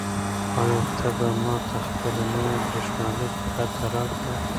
آیا ته به ماته خپله نوې بریښنالیک پته راکړې؟